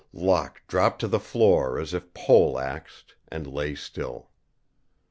Locke dropped to the floor as if pole axed and lay still.